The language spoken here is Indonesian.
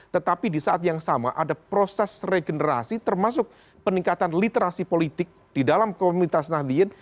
tetapi di saat yang sama ada proses regenerasi termasuk peningkatan literasi politik di dalam komunitas nahdiyin